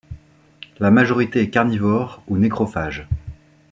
La majorité est carnivore ou nécrophage.